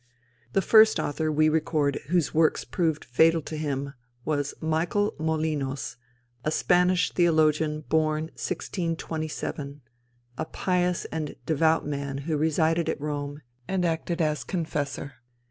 The first author we record whose works proved fatal to him was Michael Molinos, a Spanish theologian born in 1627, a pious and devout man who resided at Rome and acted as confessor.